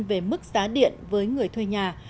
về mức giá điện với người thuê nhà